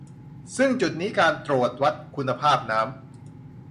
ซึ่งจุดนี้การตรวจวัดคุณภาพน้ำ